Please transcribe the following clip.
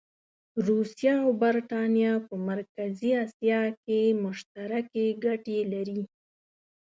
روسیه او برټانیه په مرکزي اسیا کې مشترکې ګټې لري.